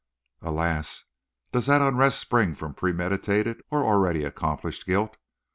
Alas! does that unrest spring from premeditated or already accomplished guilt?